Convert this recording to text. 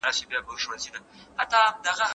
آیا پښتانه به په ایران کې د تل لپاره پاتې شي؟